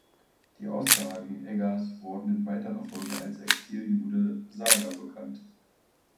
Die Aussagen Eggers wurden in weiterer Folge als „Exil-Jude“-Sager bekannt.